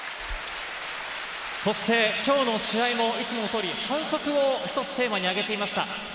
今日の試合もいつもの通り、反則を一つテーマに挙げていました。